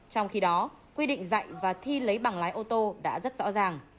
trong khi đó quy định dạy và thi lấy bằng lái ô tô đã rất rõ ràng